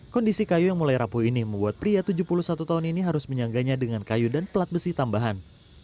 kondisi kayu yang mulai rapuh ini membuat pria tujuh puluh satu tahun ini harus menyangganya dengan kayu dan pelat besi tambahan